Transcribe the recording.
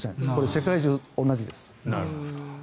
世界中、同じです。